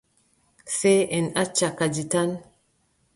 Sey en acca kadi tan.